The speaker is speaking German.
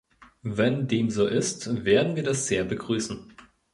Wenn dem so ist, werden wir das sehr begrüßen.